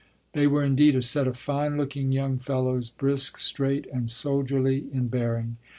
They were, indeed, a set of fine looking young fellows, brisk, straight, and soldierly in bearing.